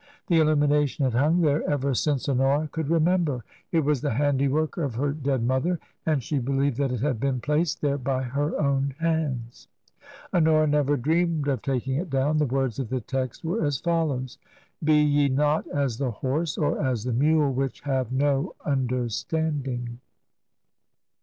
The illumination had hung there ever since Honora could remember; it was the handiwork of her dead mother, and she believed that it had been placed there by her own hands. Honora never dreamed of taking it down. The words of the text were as follows :" Be ye not as the horse or as the mule, which have no under standing!'